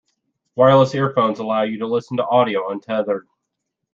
Wireless earphones allow you to listen to audio untethered.